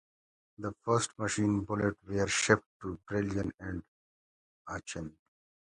The first machines built were shipped to Berlin and Aachen.